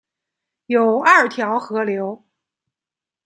有二条河流